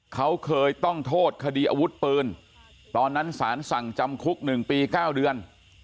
เขาเคยต้องโทษคดีอาวุธปืนตอนนั้นสารสั่งจำคุก๑ปี๙เดือน